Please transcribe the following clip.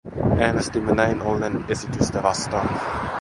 Äänestimme näin ollen esitystä vastaan.